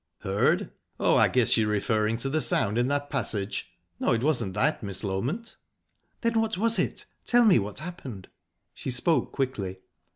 "Heard?...Oh, I guess you're referring to the sound in that passage? No, it wasn't that, Miss Loment." "Then what was it? Tell me what happened?" She spoke quickly.